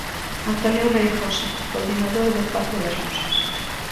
Antonio Reigosa, coordinador de "O Pazo das Musas".